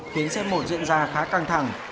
khiến xếp một diễn ra khá căng thẳng